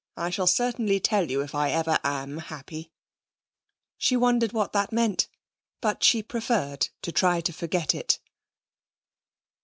I shall certainly tell you if I ever am happy.' She wondered what that meant, but she preferred to try to forget it.